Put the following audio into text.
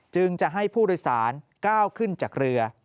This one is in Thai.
จึงจะให้ผู้โดยสารก้าวขึ้นจากเรือ